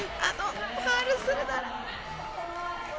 ファウルするなら。